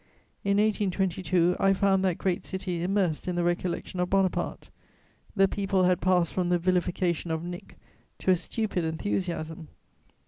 In 1822, I found that great city immersed in the recollection of Bonaparte; the people had passed from the vilification of "Nick" to a stupid enthusiasm.